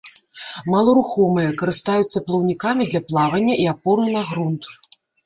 Маларухомыя, карыстаюцца плаўнікамі для плавання і апоры на грунт.